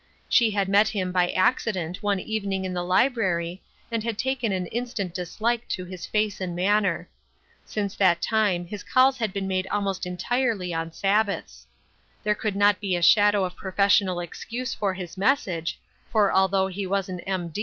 She had met him by accident one evening in the library, and had taken an instant dislike to his face and manner. Since that time his calls had been made almost entirely on Sabbaths. There could not be a shadow of professional excuse for his message, for although he was an M.